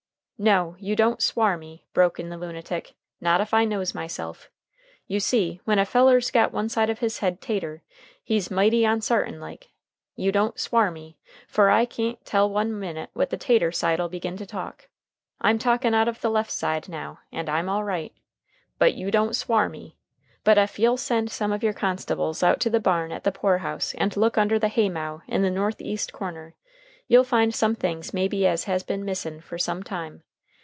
"No, you don't swar me," broke in the lunatic. "Not if I knows myself. You see, when a feller's got one side of his head tater, he's mighty onsartain like. You don't swar me, fer I can't tell what minute the tater side'll begin to talk. I'm talkin' out of the lef' side now, and I'm all right. But you don't swar me. But ef you'll send some of your constables out to the barn at the pore house and look under the hay mow in the north east corner, you'll find some things maybe as has been a missin' fer some time.